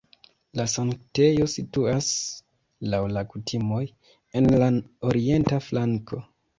La sanktejo situas (laŭ la kutimoj) en la orienta flanko.